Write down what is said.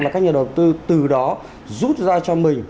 là các nhà đầu tư từ đó rút ra cho mình